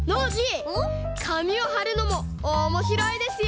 かみをはるのもおもしろいですよ！